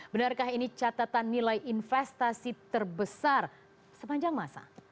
benarkah ini catatan nilai investasi terbesar sepanjang masa